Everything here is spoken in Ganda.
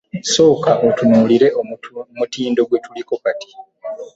Sooka otunuulire omutindo gwe tuliko kati.